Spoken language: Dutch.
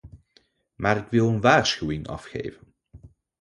Maar ik wil een waarschuwing afgeven.